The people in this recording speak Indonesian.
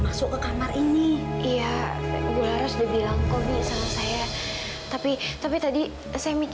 masuk sini mbak